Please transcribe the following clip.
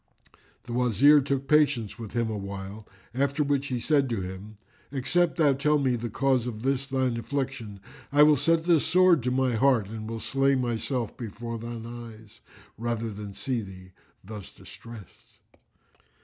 The Wazir took patience with him awhile, after which he said to him, "Except thou tell me the cause of this thine affliction, I will set this sword to my heart and will slay myself before thine eyes, rather than see thee thus distressed."